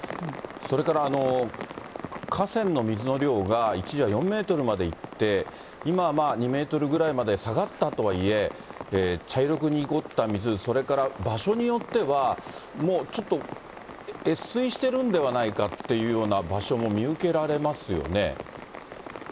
それから、河川の水の量が一時は４メートルまでいって、今、２メートルぐらいまで下がったとはいえ、茶色く濁った水、それから場所によっては、もうちょっと、越水してるんではないかっていうような場所も見受けられますよね。